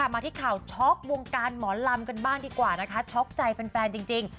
มาที่ข่าวช็อกวงการหมอลำกันบ้างดีกว่านะคะช็อกใจแฟนจริง